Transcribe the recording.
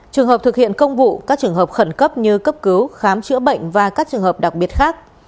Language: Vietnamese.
trường hợp thực hiện công vụ các trường hợp khẩn cấp như cấp cứu khám chữa bệnh và các trường hợp đặc biệt khác